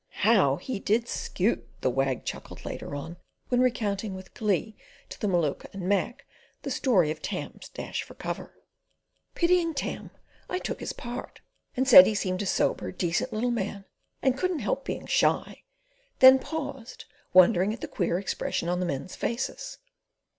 "HOW he did skoot!" the Wag chuckled later on when recounting with glee, to the Maluka and Mac, the story of Tam's dash for cover. Pitying Tam, I took his part, and said he seemed a sober, decent little man and couldn't help being shy; then paused, wondering at the queer expression on the men's faces.